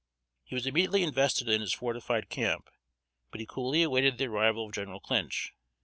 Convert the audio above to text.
He was immediately invested in his fortified camp, but he coolly awaited the arrival of General Clinch.